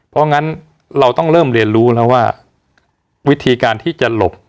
เพราะงั้นเราต้องเริ่มเรียนรู้แล้วว่าวิธีการที่จะหลบ